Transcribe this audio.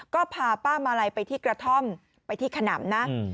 ก็พาป้ามาลัยไปที่กระท่อมไปที่ขนำนะ